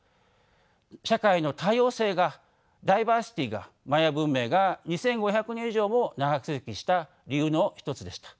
社会の多様性がダイバーシティーがマヤ文明が２，５００年以上も長続きした理由の一つでした。